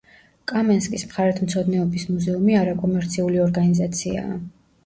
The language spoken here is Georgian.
კამენსკის მხარეთმცოდნეობის მუზეუმი არაკომერციული ორგანიზაციაა.